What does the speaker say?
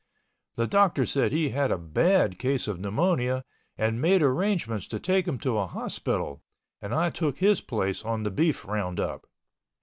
The doctor said he had a bad case of pneumonia and made arrangements to take him to a hospital and I took his place on the beef roundup.